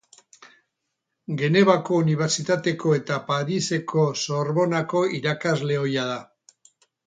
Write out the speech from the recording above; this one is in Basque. Genevako Unibertsitateko eta Pariseko Sorbonako irakasle ohia da.